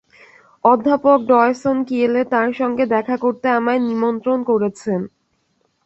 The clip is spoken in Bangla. অধ্যাপক ডয়সন কিয়েলে তাঁর সঙ্গে দেখা করতে আমায় নিমন্ত্রণ করেছেন।